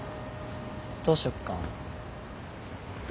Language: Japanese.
どうしよっかな。